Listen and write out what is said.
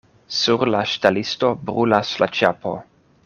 Sur la ŝtelisto brulas la ĉapo.